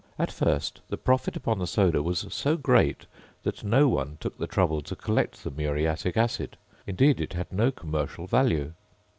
At first, the profit upon the soda was so great, that no one took the trouble to collect the muriatic acid: indeed it had no commercial value.